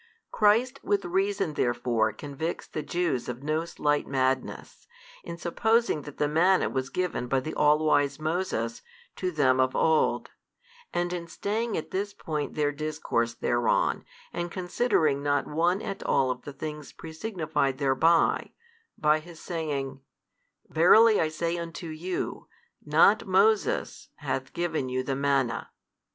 Christ with reason therefore convicts the Jews of no slight madness, in supposing that the manna was given by the all wise Moses to them of old, and in staying at this point their discourse thereon and considering not one at all of the things presignified thereby, by His saying, Verily I say unto you, Not Moses hath given you the manna.